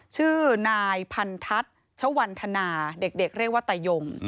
ชื่อนายพันทัศน์ชวันธนาเด็กเรียกว่าตายง